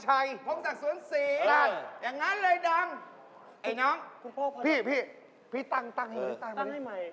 เค้าเป็นลิเกย์ครับคันนี้เป็นลิเกย์นะครับ